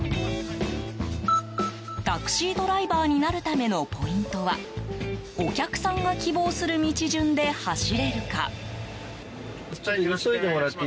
タクシードライバーになるためのポイントはお客さんが希望する道順で走れるか。